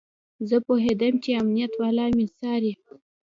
زه پوهېدم چې امنيت والا مې څاري.